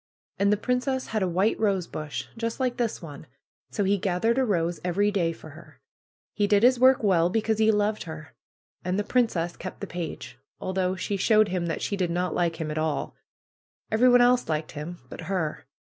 "And the princess had a white rosebush just like this one, so he gathered a rose every day for her. He did his work well, because he loved her. And the princess kept the page, although she showed him that she did not like him at all. Everyone else liked him but her.